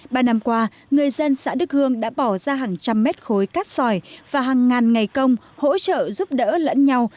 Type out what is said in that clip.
ba năm qua người dân xã đức hương đã bỏ ra khỏi nhà tránh lũ